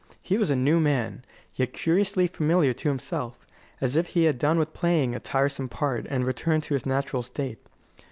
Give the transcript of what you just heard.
He was a new man, yet curiously familiar to himself as if he had done with playing a tiresome part and returned to his natural state.